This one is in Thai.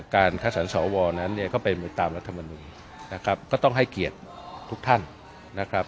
การคัดสรรสวนั้นเนี่ยก็เป็นไปตามรัฐมนุนนะครับก็ต้องให้เกียรติทุกท่านนะครับ